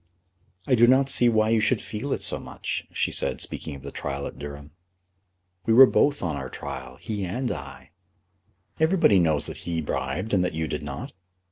"I do not see why you should feel it so much," she said, speaking of the trial at Durham. "We were both on our trial, he and I." "Everybody knows that he bribed and that you did not."